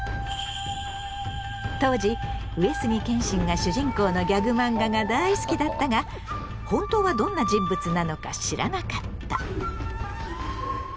当時上杉謙信が主人公のギャグマンガが大好きだったが本当はどんな人物なのか知らなかった。